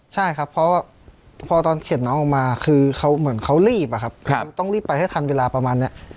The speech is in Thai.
ใช่ครับเพราะพอตอนเข็ดน้องออกมาคือเขาเหมือนเขารีบอะครับต้องรีบไปให้ทันเวลาประมาณนี้